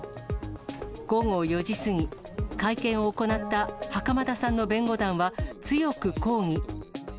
午後４時過ぎ、会見を行った袴田さんの弁護団は強く抗議。